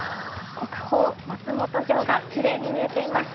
国宝・松本城がきれいに見えています。